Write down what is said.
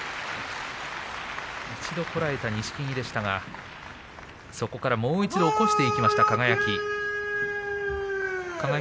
一度こらえた錦木でしたがそこからもう一度起こしていきました、輝。